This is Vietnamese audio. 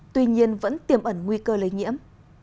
tuy nhiên vẫn tiềm ẩn nguy cơ lây nhiễm